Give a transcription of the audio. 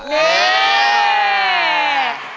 เฮ่ย